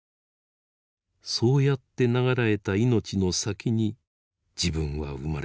そうやって長らえた命の先に自分は生まれている。